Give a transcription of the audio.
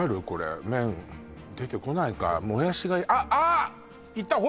これ麺出てこないかもやしがあっ！